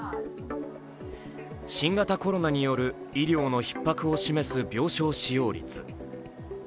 新型コロナによる医療のひっ迫を示す病床使用率。